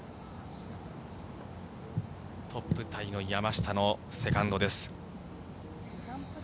トップタイの山下のセカンドです。